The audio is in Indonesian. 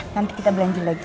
nanti kita belanja lagi